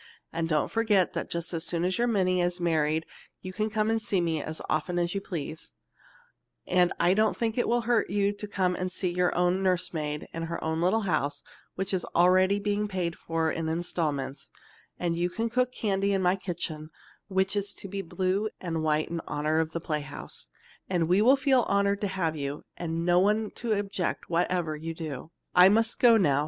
And don't forget that just as soon as your Minnie is married you can come to see me just as often as you please, and I don't think it will hurt you to come and see your own nursemaid in her own little house which is already being paid for in instalments, and you can cook candy in my kitchen which is to be blue and white in honor of the playhouse, and we will feel honored to have you, and no one to object whatever you do. "I must go now.